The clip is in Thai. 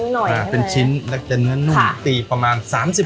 หน่อยใช่ไหมอ่าเป็นชิ้นแล้วก็จะเนื้อนุ่มค่ะตีประมาณสามสิบ